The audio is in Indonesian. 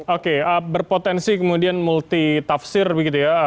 oke berpotensi kemudian multi tafsir begitu ya